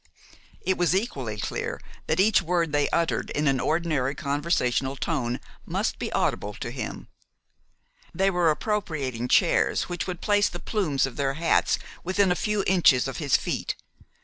It was equally clear that each word they uttered in an ordinary conversational tone must be audible to him. They were appropriating chairs which would place the plumes of their hats within a few inches of his feet.